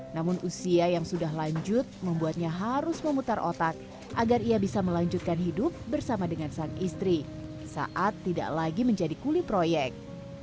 namun usia yang sudah lanjut membuatnya harus memutar otak agar ia bisa melanjutkan hidup bersama dengan sang istri saat tidak lagi menjadi kulit proyek